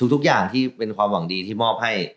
ทุกอย่างที่เป็นความหวังดีที่มอบให้